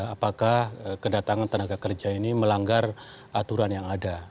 apakah kedatangan tenaga kerja ini melanggar aturan yang ada